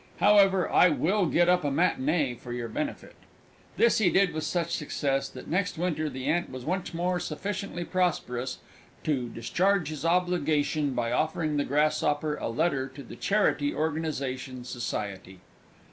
However, I will get up a matinée for your benefit." This he did with such success that, next winter, the Ant was once more sufficiently prosperous to discharge his obligation by offering the Grasshopper a letter to the Charity Organisation Society!